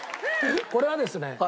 これはですね